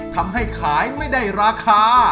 ทำให้ขายไม่ได้ราคา